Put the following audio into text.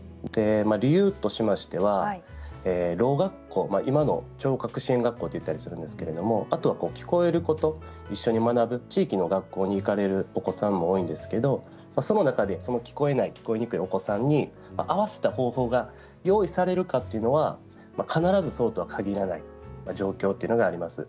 理由としましては、ろう学校今の聴覚支援学校と言ったりするんですけどあとは聞こえる子と一緒に学ぶ地域の学校に行かれるお子さんも多いんですけど、その中で聞こえない、聞こえにくいお子さんに合わせた方法が用意されるかというのは必ずしも、そうとは限らない状況というのがあります。